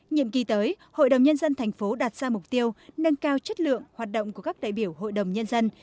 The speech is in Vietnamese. nhiệm kỳ tới hội đồng nhân dân thành phố đặt ra mục tiêu nâng cao chất lượng hoạt động của các đại biểu hội đồng nhân dân